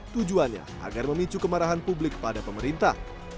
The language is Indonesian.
tujuannya agar memicu kemarahan publik pada pemerintah